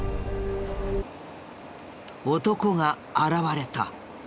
男が現れた。